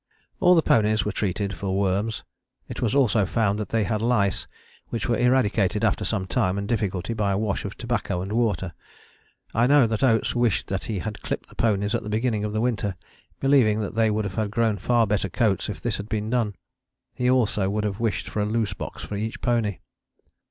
All the ponies were treated for worms; it was also found that they had lice, which were eradicated after some time and difficulty by a wash of tobacco and water. I know that Oates wished that he had clipped the ponies at the beginning of the winter, believing that they would have grown far better coats if this had been done. He also would have wished for a loose box for each pony.